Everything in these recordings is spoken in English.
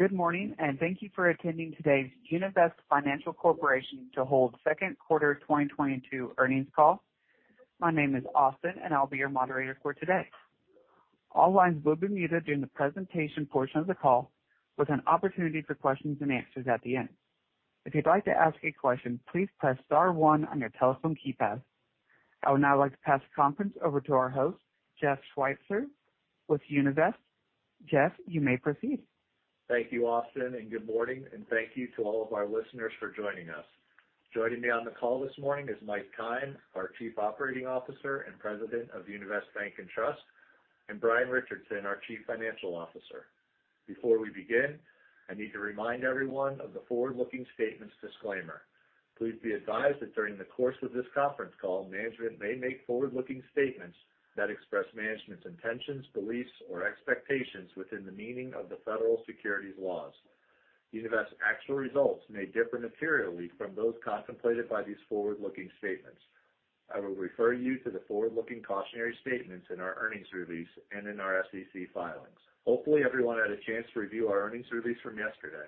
Good morning, and thank you for attending today's Univest Financial Corporation's second quarter 2022 earnings call. My name is Austin, and I'll be your moderator for today. All lines will be muted during the presentation portion of the call, with an opportunity for questions and answers at the end. If you'd like to ask a question, please press star one on your telephone keypad. I would now like to pass the conference over to our host, Jeff Schweitzer with Univest. Jeff, you may proceed. Thank you, Austin, and good morning, and thank you to all of our listeners for joining us. Joining me on the call this morning is Mike Keim, our Chief Operating Officer and President of Univest Bank and Trust, and Brian Richardson, our Chief Financial Officer. Before we begin, I need to remind everyone of the forward-looking statements disclaimer. Please be advised that during the course of this conference call, management may make forward-looking statements that express management's intentions, beliefs, or expectations within the meaning of the federal securities laws. Univest's actual results may differ materially from those contemplated by these forward-looking statements. I will refer you to the forward-looking cautionary statements in our earnings release and in our SEC filings. Hopefully, everyone had a chance to review our earnings release from yesterday.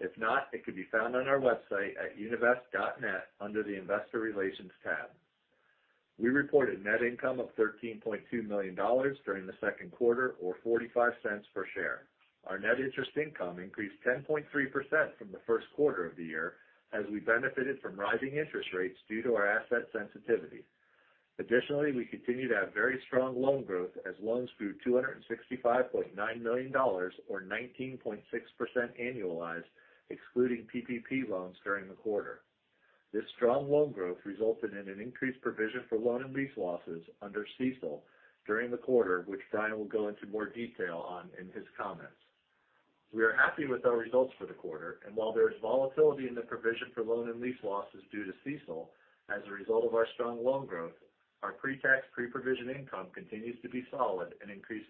If not, it could be found on our website at univest.net under the Investor Relations tab. We reported net income of $13.2 million during the second quarter or 45 cents per share. Our net interest income increased 10.3% from the first quarter of the year as we benefited from rising interest rates due to our asset sensitivity. We continue to have very strong loan growth as loans grew $265.9 million or 19.6% annualized, excluding PPP loans during the quarter. This strong loan growth resulted in an increased provision for loan and lease losses under CECL during the quarter, which Brian will go into more detail on in his comments. We are happy with our results for the quarter, and while there is volatility in the provision for loan and lease losses due to CECL as a result of our strong loan growth, our pre-tax, pre-provision income continues to be solid and increased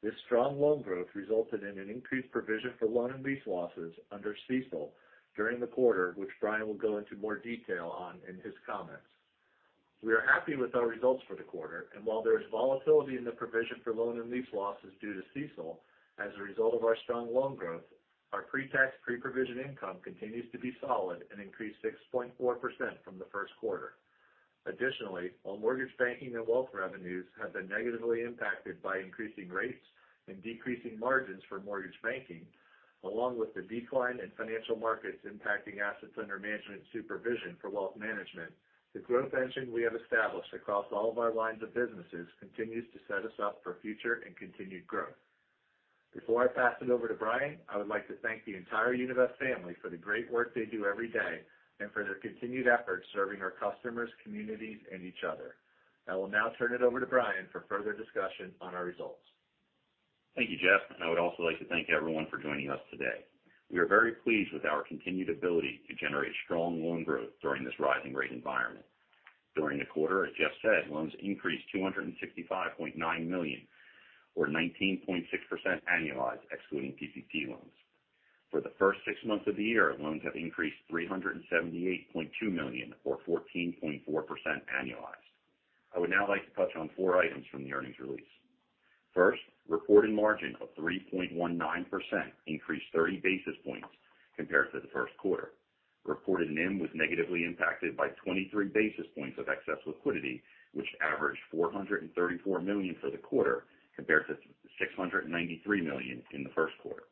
from the first quarter. Additionally, while mortgage banking and wealth revenues have been negatively impacted by increasing rates and decreasing margins for mortgage banking, along with the decline in financial markets impacting assets under management supervision for wealth management, the growth engine we have established across all of our lines of businesses continues to set us up for future and continued growth. Before I pass it over to Brian, I would like to thank the entire Univest family for the great work they do every day and for their continued efforts serving our customers, communities, and each other. I will now turn it over to Brian for further discussion on our results. Thank you, Jeff, and I would also like to thank everyone for joining us today. We are very pleased with our continued ability to generate strong loan growth during this rising rate environment. During the quarter, as Jeff said, loans increased $265.9 million or 19.6% annualized, excluding PPP loans. For the first six months of the year, loans have increased $378.2 million or 14.4% annualized. I would now like to touch on four items from the earnings release. First, reported margin of 3.19% increased 30 basis points compared to the first quarter. Reported NIM was negatively impacted by 23 basis points of excess liquidity, which averaged $434 million for the quarter compared to $693 million in the first quarter.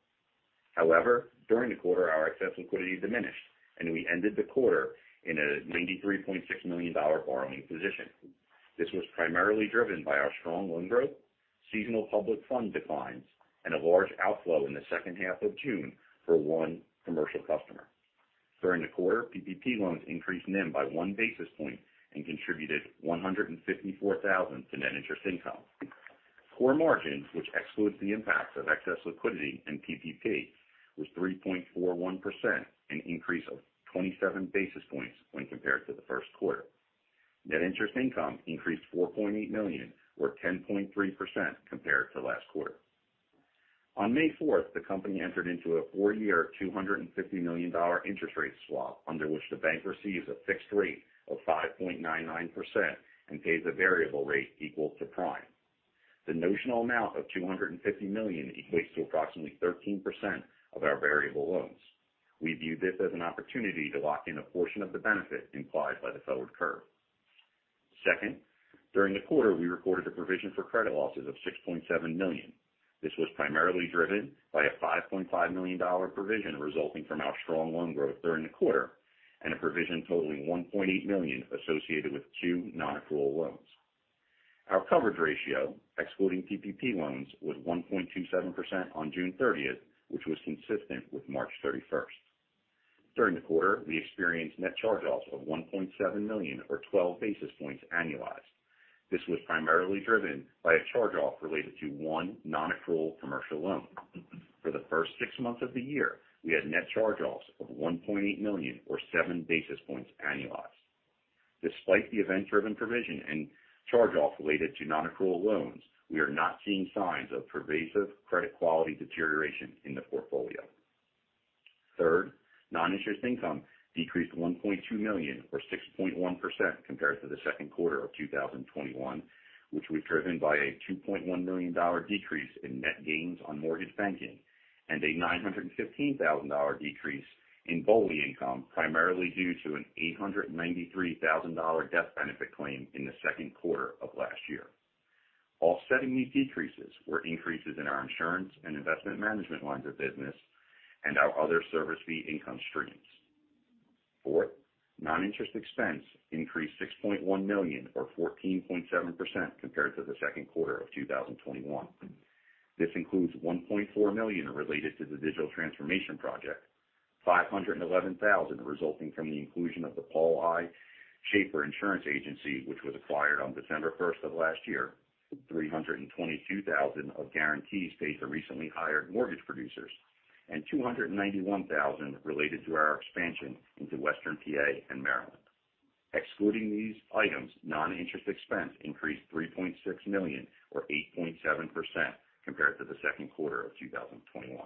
However, during the quarter, our excess liquidity diminished, and we ended the quarter in a $93.6 million borrowing position. This was primarily driven by our strong loan growth, seasonal public fund declines, and a large outflow in the second half of June for one commercial customer. During the quarter, PPP loans increased NIM by 1 basis point and contributed $154,000 to net interest income. Core margins, which excludes the impacts of excess liquidity and PPP, was 3.41%, an increase of 27 basis points when compared to the first quarter. Net interest income increased $4.8 million or 10.3% compared to last quarter. On May 4, the company entered into a 4-year, $250 million interest rate swap under which the bank receives a fixed rate of 5.99% and pays a variable rate equal to prime. The notional amount of $250 million equates to approximately 13% of our variable loans. We view this as an opportunity to lock in a portion of the benefit implied by the yield curve. Second, during the quarter, we recorded a provision for credit losses of $6.7 million. This was primarily driven by a $5.5 million provision resulting from our strong loan growth during the quarter and a provision totaling $1.8 million associated with 2 non-accrual loans. Our coverage ratio, excluding PPP loans, was 1.27% on June 30th, which was consistent with March 31st. During the quarter, we experienced net charge-offs of $1.7 million or 12 basis points annualized. This was primarily driven by a charge-off related to one non-accrual commercial loan. For the first six months of the year, we had net charge-offs of $1.8 million or 7 basis points annualized. Despite the event-driven provision and charge-off related to non-accrual loans, we are not seeing signs of pervasive credit quality deterioration in the portfolio. Third, non-interest income decreased $1.2 million or 6.1% compared to the second quarter of 2021, which was driven by a $2.1 million decrease in net gains on mortgage banking and a $915,000 decrease in BOLI income, primarily due to an $893,000 death benefit claim in the second quarter of last year. Offsetting these decreases were increases in our insurance and investment management lines of business and our other service fee income streams. Fourth, non-interest expense increased $6.1 million or 14.7% compared to the second quarter of 2021. This includes $1.4 million related to the digital transformation project, $511,000 resulting from the inclusion of the Paul I. Sheaffer Insurance Agency. Paul I. Sheaffer Insurance Agency, which was acquired on December first of last year, $322,000 of guarantees paid for recently hired mortgage producers, and $291,000 related to our expansion into Western PA and Maryland. Excluding these items, non-interest expense increased $3.6 million or 8.7% compared to the second quarter of 2021.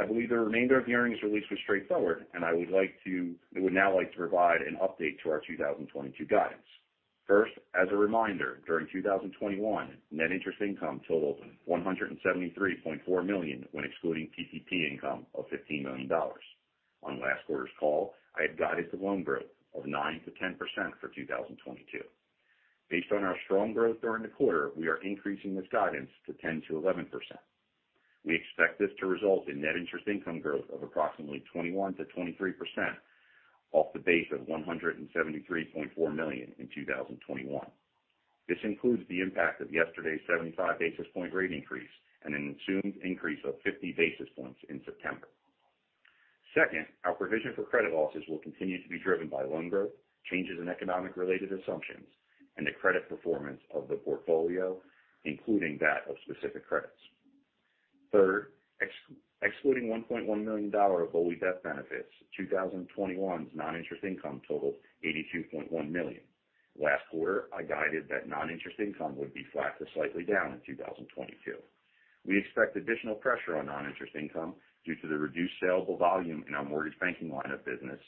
I believe the remainder of the earnings release was straightforward, we would now like to provide an update to our 2022 guidance. First, as a reminder, during 2021, net interest income totaled $173.4 million when excluding PPP income of $15 million. On last quarter's call, I had guided loan growth of 9%-10% for 2022. Based on our strong growth during the quarter, we are increasing this guidance to 10%-11%. We expect this to result in net interest income growth of approximately 21%-23% off the base of $173.4 million in 2021. This includes the impact of yesterday's 75 basis point rate increase and an assumed increase of 50 basis points in September. Second, our provision for credit losses will continue to be driven by loan growth, changes in economic-related assumptions, and the credit performance of the portfolio, including that of specific credits. Third, excluding $1.1 million of BOLI death benefits, 2021's non-interest income totaled $82.1 million. Last quarter, I guided that non-interest income would be flat to slightly down in 2022. We expect additional pressure on non-interest income due to the reduced saleable volume in our mortgage banking line of business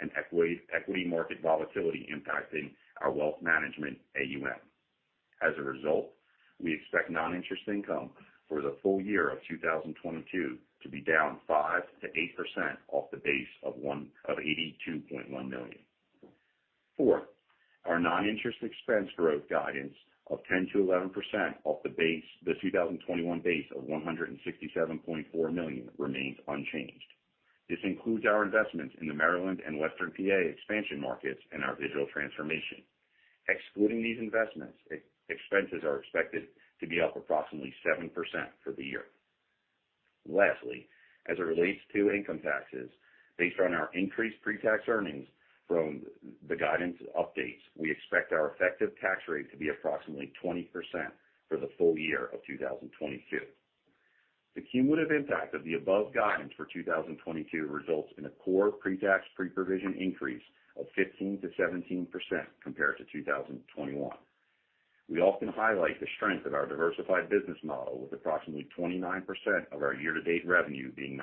and equity market volatility impacting our wealth management AUM. As a result, we expect non-interest income for the full year of 2022 to be down 5%-8% off the base of $82.1 million. Fourth, our non-interest expense growth guidance of 10%-11% off the 2021 base of $167.4 million remains unchanged. This includes our investments in the Maryland and Western PA expansion markets and our digital transformation. Excluding these investments, expenses are expected to be up approximately 7% for the year. Lastly, as it relates to income taxes, based on our increased pre-tax earnings from the guidance updates, we expect our effective tax rate to be approximately 20% for the full year of 2022. The cumulative impact of the above guidance for 2022 results in a core pre-tax, pre-provision increase of 15%-17% compared to 2021. We often highlight the strength of our diversified business model with approximately 29% of our year-to-date revenue being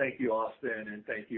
non-interest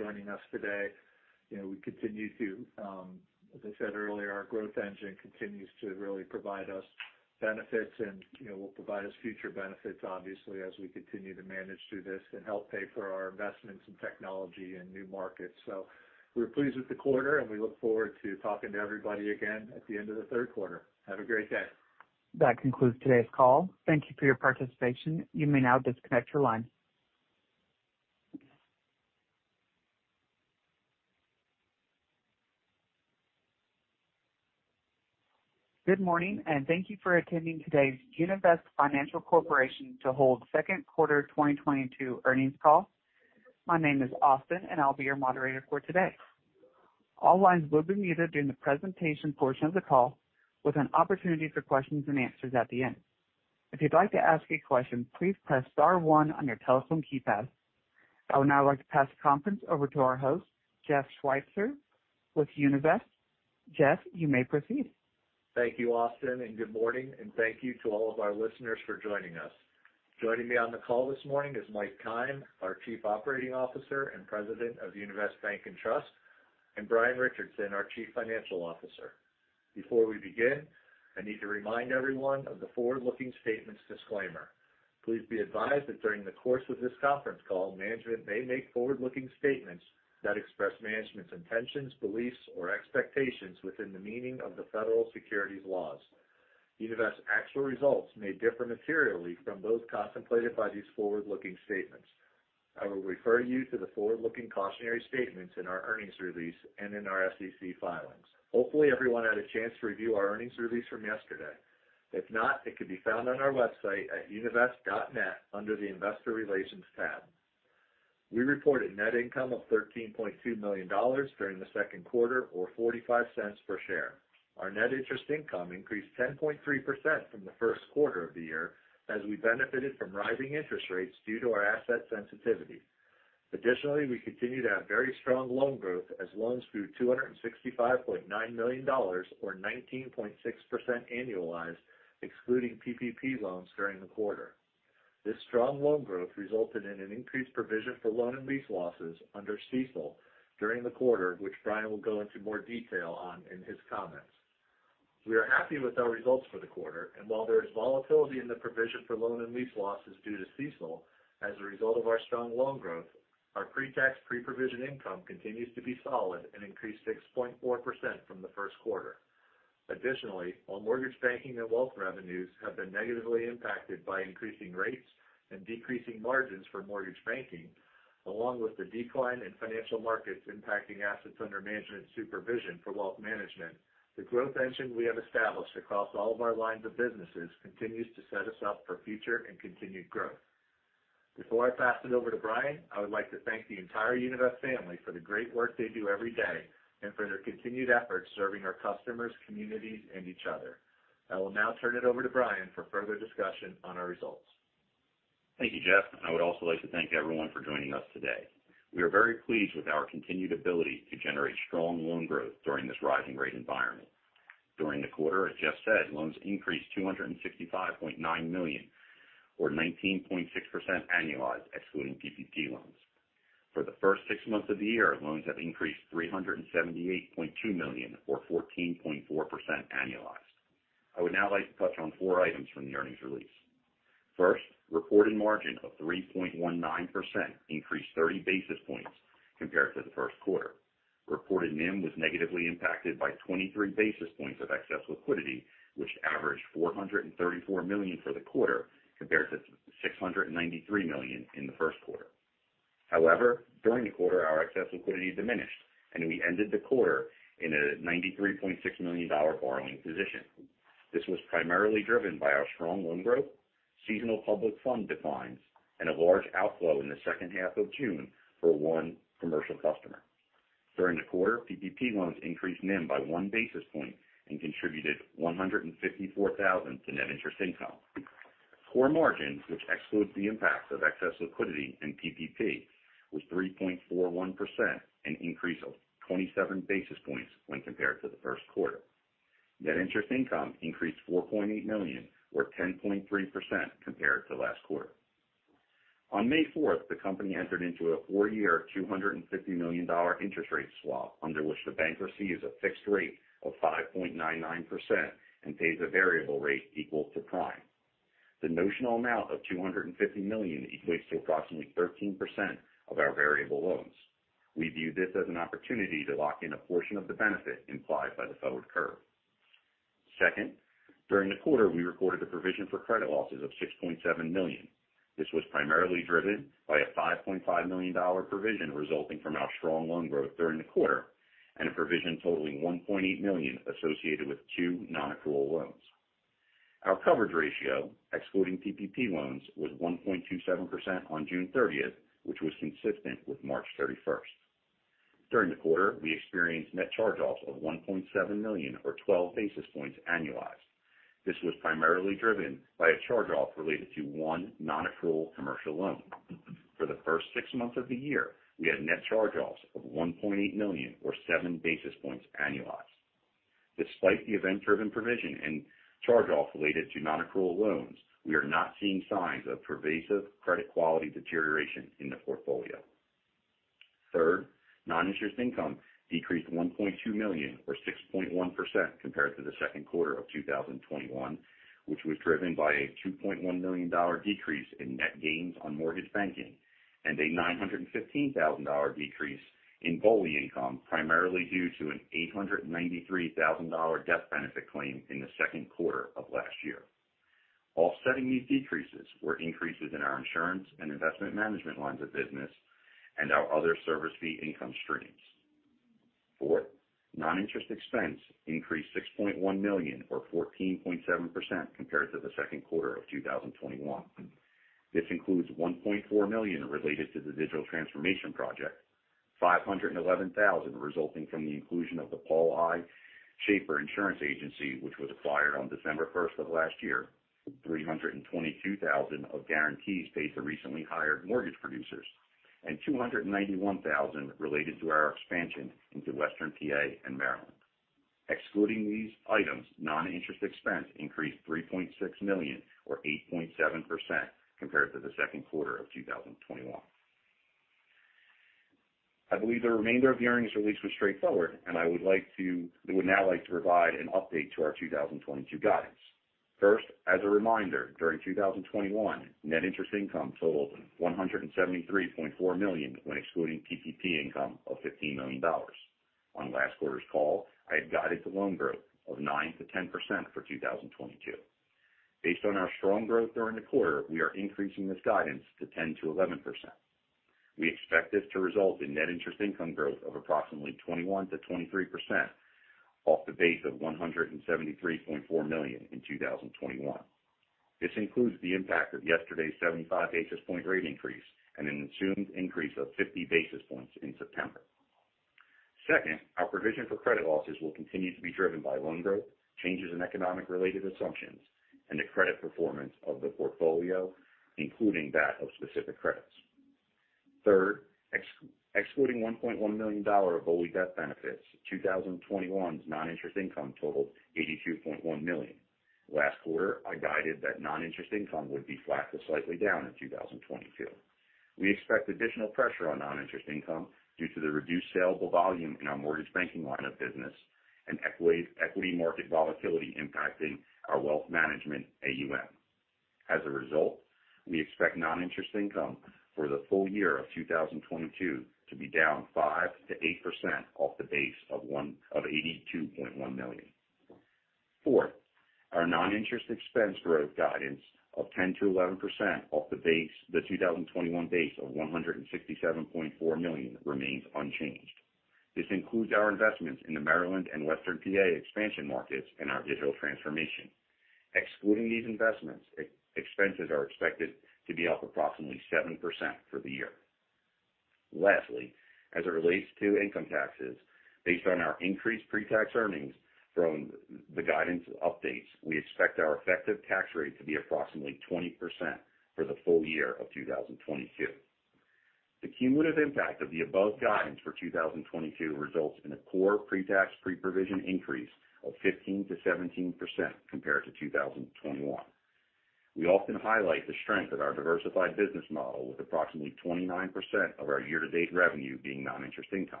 income.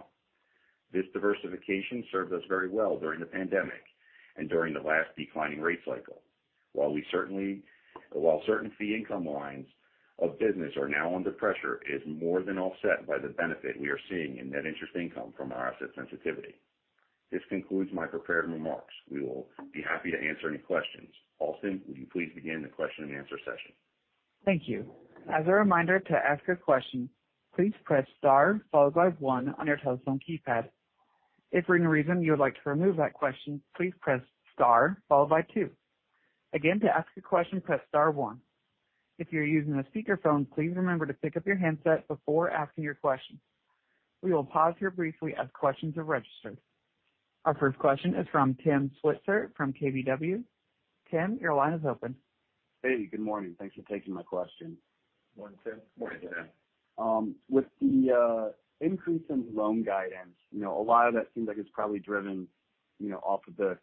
This diversification served us very well during the pandemic and during the last declining rate cycle. While certain fee income lines of business are now under pressure, it is more than offset by the benefit we are seeing in net interest income from our asset sensitivity. This concludes my prepared remarks. We will be happy to answer any questions. Austin, will you please begin the question and answer session? Thank you. As a reminder to ask a question, please press star followed by one on your telephone keypad. If for any reason you would like to remove that question, please press star followed by two. Again, to ask a question, press star one. If you're using a speakerphone, please remember to pick up your handset before asking your question. We will pause here briefly as questions are registered. Our first question is from Tim Switzer from KBW. Tim, your line is open. Hey, good morning. Thanks for taking my question. Morning, Tim. Morning, Tim. With the increase in loan guidance, you know, a lot of that seems like it's probably driven, you know, off of the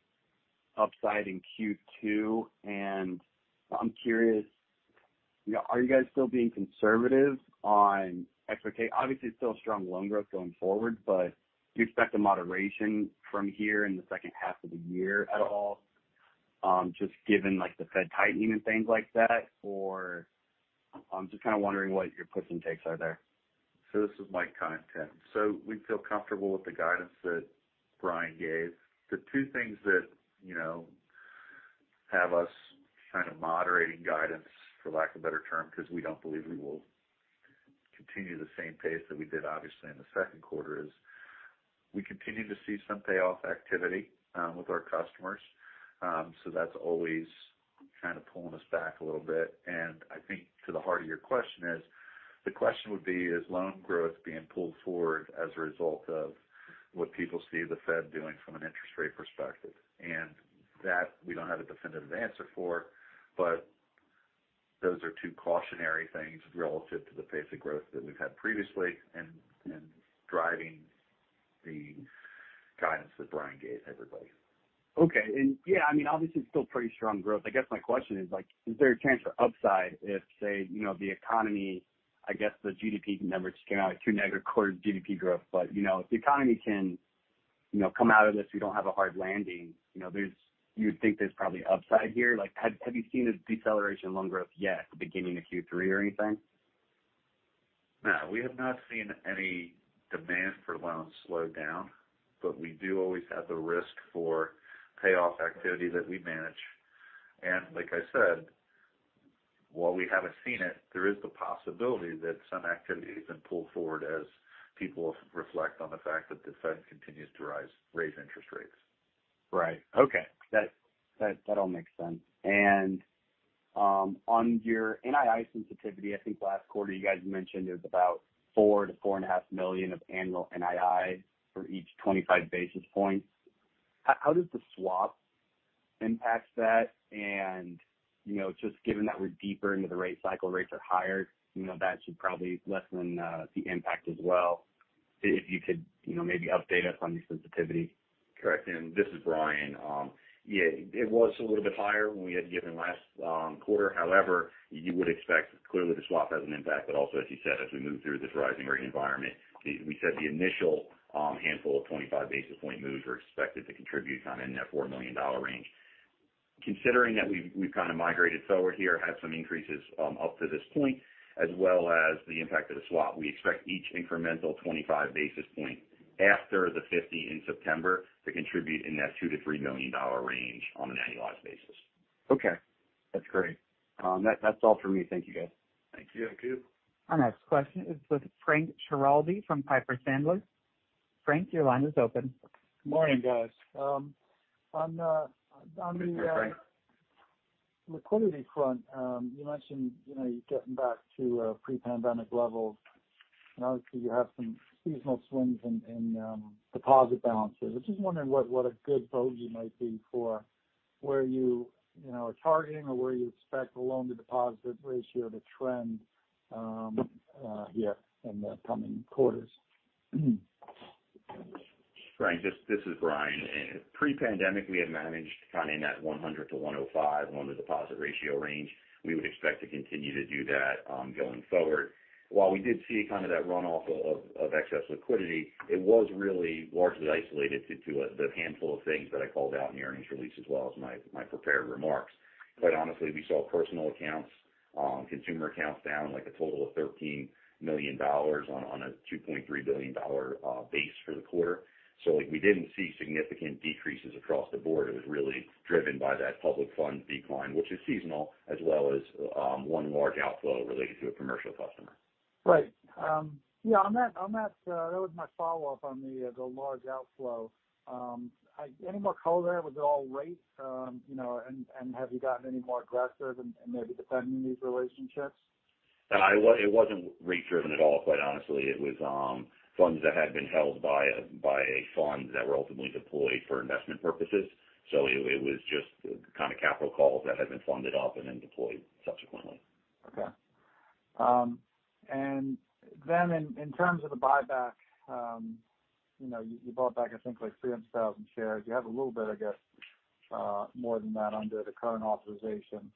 upside in Q2. I'm curious, you know, are you guys still being conservative on C&I, okay? Obviously, it's still strong loan growth going forward, but do you expect a moderation from here in the second half of the year at all, just given, like, the Fed tightening and things like that? Or I'm just kinda wondering what your puts and takes are there. This is Mike Keim, Tim Switzer. We feel comfortable with the guidance that Brian Richardson gave. The two things that, you know, have us kind of moderating guidance, for lack of a better term, because we don't believe we will continue the same pace that we did obviously in the second quarter, is we continue to see some payoff activity with our customers. That's always kind of pulling us back a little bit. I think to the heart of your question is, the question would be, is loan growth being pulled forward as a result of what people see the Fed doing from an interest rate perspective? That we don't have a definitive answer for, but those are two cautionary things relative to the pace of growth that we've had previously and driving the guidance that Brian Richardson gave everybody. Okay. Yeah, I mean, obviously, it's still pretty strong growth. I guess my question is, like, is there a chance for upside if, say, you know, the economy. I guess the GDP numbers came out like two negative quarters GDP growth. But, you know, if the economy can, you know, come out of this, we don't have a hard landing. You know, there's. You would think there's probably upside here. Like, have you seen a deceleration in loan growth yet at the beginning of Q3 or anything? No, we have not seen any demand for loans slow down, but we do always have the risk for payoff activity that we manage. Like I said, while we haven't seen it, there is the possibility that some activity has been pulled forward as people reflect on the fact that the Fed continues to raise interest rates. Right. Okay. That all makes sense. On your NII sensitivity, I think last quarter you guys mentioned there's about $4-$4.5 million of annual NII for each 25 basis points. How does the swap impact that? You know, just given that we're deeper into the rate cycle, rates are higher, you know, that should probably lessen the impact as well. If you could, you know, maybe update us on your sensitivity. Correct. This is Brian. It was a little bit higher when we had given last quarter. However, you would expect clearly the swap has an impact. But also, as you said, as we move through this rising rate environment, we said the initial handful of 25 basis point moves were expected to contribute kind of in that $4 million range. Considering that we've kind of migrated forward here, had some increases up to this point as well as the impact of the swap, we expect each incremental 25 basis point after the 50 in September to contribute in that $2-$3 million range on an annualized basis. Okay. That's great. That's all for me. Thank you, guys. Thank you. Thank you. Our next question is with Frank Schiraldi from Piper Sandler. Frank, your line is open. Good morning, guys. On the- Good morning, Frank. Liquidity front, you mentioned, you know, you're getting back to pre-pandemic levels, and obviously you have some seasonal swings in deposit balances. I'm just wondering what a good bogey might be for where you know, are targeting or where you expect the loan-to-deposit ratio to trend here in the coming quarters. Frank, this is Brian. Pre-pandemic, we had managed kind of in that 100 to 105 loan-to-deposit ratio range. We would expect to continue to do that going forward. While we did see kind of that runoff of excess liquidity, it was really largely isolated to the handful of things that I called out in the earnings release as well as my prepared remarks. Quite honestly, we saw personal accounts, consumer accounts down like a total of $13 million on a $2.3 billion base for the quarter. Like we didn't see significant decreases across the board. It was really driven by that public funds decline, which is seasonal as well as one large outflow related to a commercial customer. Right. Yeah, on that was my follow-up on the large outflow. Any more color there? Was it all rates? You know, and have you gotten any more aggressive in maybe defending these relationships? No, it wasn't rate driven at all, quite honestly. It was funds that had been held by a fund that were ultimately deployed for investment purposes. It was just kind of capital calls that had been funded up and then deployed subsequently. Okay. In terms of the buyback, you know, you bought back I think like 300,000 shares. You have a little bit, I guess, more than that under the current authorization.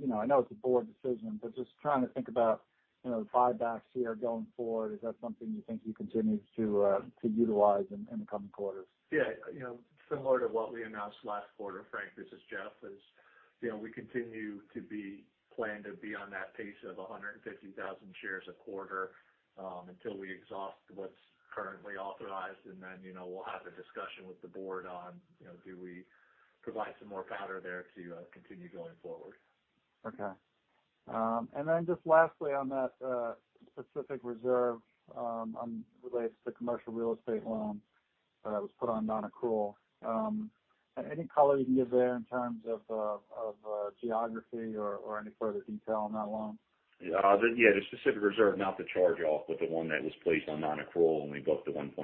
You know, I know it's a board decision, but just trying to think about, you know, buybacks here going forward, is that something you think you continue to utilize in the coming quarters? Yeah. You know, similar to what we announced last quarter, Frank, this is Jeff. You know, we continue to plan to be on that pace of 150,000 shares a quarter until we exhaust what's currently authorized. Then, you know, we'll have the discussion with the board on, you know, do we provide some more powder there to continue going forward. Okay. Just lastly on that, specific reserve relates to commercial real estate loan that was put on nonaccrual. Any color you can give there in terms of geography or any further detail on that loan? The specific reserve, not the charge-off, but the one that was placed on nonaccrual and we booked the $1.1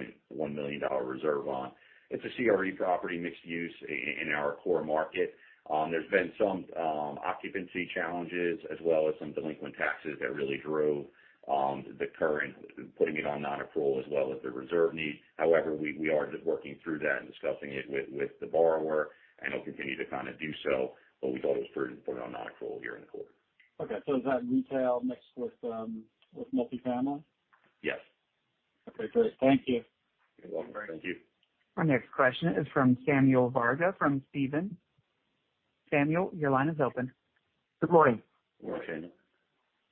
million reserve on. It's a CRE property, mixed-use in our core market. There's been some occupancy challenges as well as some delinquent taxes that really drove the current putting it on nonaccrual as well as the reserve need. However, we are working through that and discussing it with the borrower and will continue to kind of do so. We thought it was prudent to put it on nonaccrual here in the quarter. Is that retail mixed with multifamily? Yes. Okay, great. Thank you. You're welcome. Thank you. Our next question is from Samuel Varga from Stephens. Samuel, your line is open. Good morning. Morning.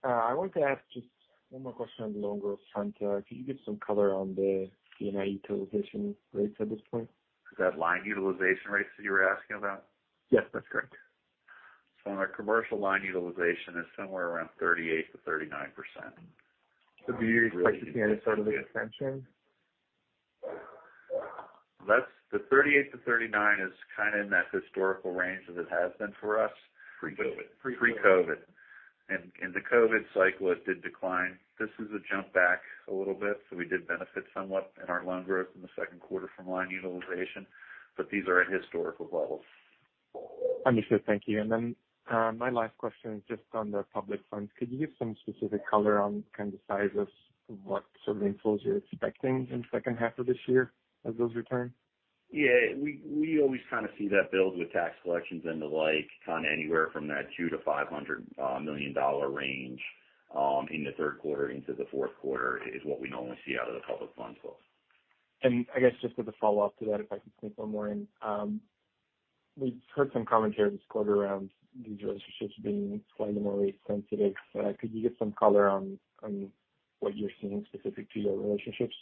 I wanted to ask just one more question on loan growth front. Can you give some color on the C&I utilization rates at this point? Is that line utilization rates that you were asking about? Yes, that's correct. Our commercial line utilization is somewhere around 38%-39%. Do you expect to see any further extension? That's the 38-39 is kind of in that historical range that it has been for us. Pre-COVID. Pre-COVID. In the COVID cycle, it did decline. This is a jump back a little bit. We did benefit somewhat in our loan growth in the second quarter from line utilization. These are at historical levels. Understood. Thank you. My last question is just on the public funds. Could you give some specific color on kind of the size of what sort of inflows you're expecting in second half of this year as those return? Yeah. We always kind of see that build with tax collections and the like, kind of anywhere from that $200 million-$500 million range in the third quarter into the fourth quarter is what we normally see out of the public fund flows. I guess just as a follow-up to that, if I can sneak one more in. We've heard some commentary this quarter around these relationships being slightly more rate sensitive. Could you give some color on what you're seeing specific to your relationships?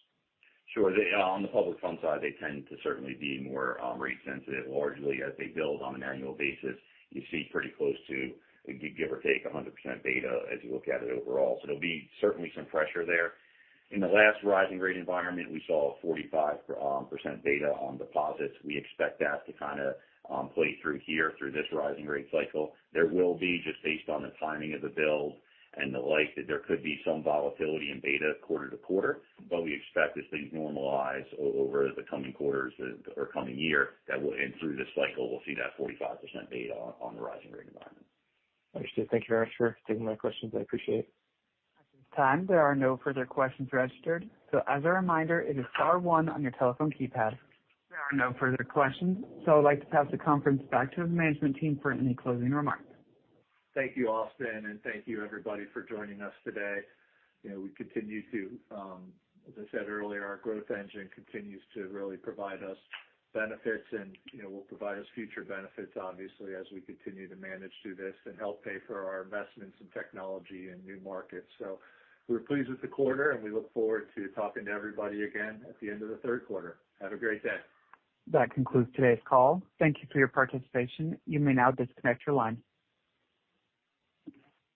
Sure. On the public fund side, they tend to certainly be more rate sensitive. Largely, as they build on an annual basis, you see pretty close to give or take 100% beta as you look at it overall. There'll be certainly some pressure there. In the last rising rate environment, we saw 45% beta on deposits. We expect that to kinda play through here through this rising rate cycle. There will be just based on the timing of the build and the like, there could be some volatility in beta quarter to quarter, but we expect as things normalize over the coming quarters or coming year, that we'll and through this cycle, we'll see that 45% beta on the rising rate environment. Understood. Thank you very much for taking my questions. I appreciate it. At this time, there are no further questions registered. As a reminder, it is star one on your telephone keypad. There are no further questions, so I'd like to pass the conference back to the management team for any closing remarks. Thank you, Austin, and thank you everybody for joining us today. You know, we continue to, as I said earlier, our growth engine continues to really provide us benefits and, you know, will provide us future benefits, obviously, as we continue to manage through this and help pay for our investments in technology and new markets. We're pleased with the quarter, and we look forward to talking to everybody again at the end of the third quarter. Have a great day That concludes today's call. Thank you for your participation. You may now disconnect your line.